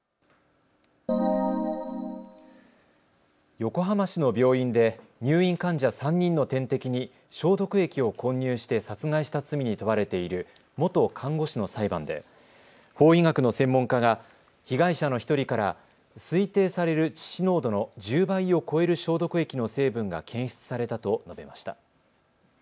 横浜市の病院で入院患者３人の点滴に消毒液を混入して殺害した罪に問われている元看護師の裁判で法医学の専門家が被害者の１人から推定される致死濃度の１０倍を超える消毒液の成分が検出されたと述べました。